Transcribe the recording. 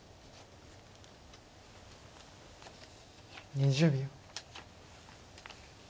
２０秒。